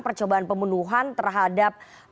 percobaan pembunuhan terhadap